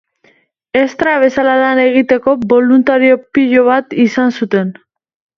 Estra bezala lan egiteko boluntario pilo bat izan zuten.